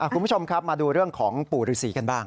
คุณผู้ชมครับมาดูเรื่องของปู่ฤษีกันบ้าง